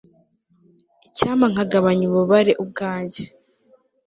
icyampa nkagabanya ububabare ubwanjye